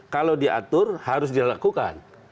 kalau diatur harus dilakukan